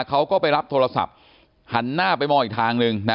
เขาก็ไปรับโทรศัพท์หันหน้าไปมองอีกทางหนึ่งนะ